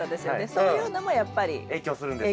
そういうのもやっぱり。影響するんですね。